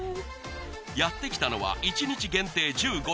やって来たのは一日限定１５